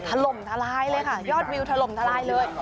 ทะลมทะลายเลยค่ะยอดวิวทะลมทะลายเลย